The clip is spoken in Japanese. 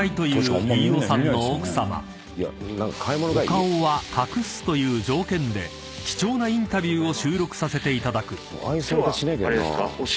［お顔は隠すという条件で貴重なインタビューを収録させていただく］